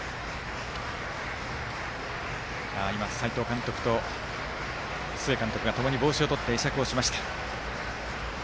斎藤監督と須江監督がともに帽子を取って会釈をしました。